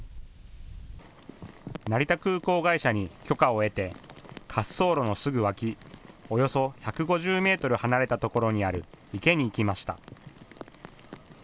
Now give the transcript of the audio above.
成田空港会社に許可を得て滑走路のすぐ脇、およそ１５０メートル離れた所にある池に行きました。